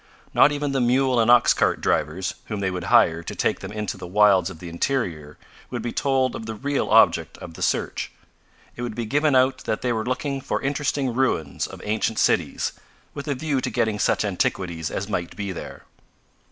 Not even the mule and ox cart drivers, whom they would hire to take them into the wilds of the interior would be told of the real object of the search. It would be given out that they were looking for interesting ruins of ancient cities, with a view to getting such antiquities as might be there.